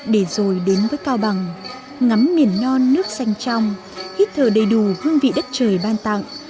để rồi đến với cao bằng ngắm miền non nước xanh trong hít thở đầy đủ hương vị đất trời ban tặng